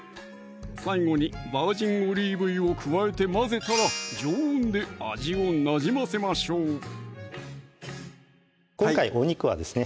最後にバージンオリーブ油を加えて混ぜたら常温で味をなじませましょう今回お肉はですね